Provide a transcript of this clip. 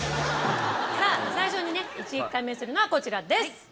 さぁ最初にね一撃解明するのはこちらです！